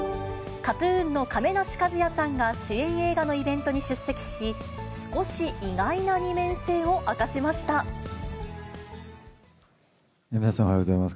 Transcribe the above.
ＫＡＴ−ＴＵＮの亀梨和也さんが主演映画のイベントに出席し、皆様、おはようございます。